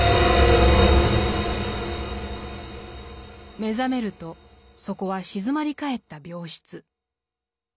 目覚めるとそこは静まり返った病室。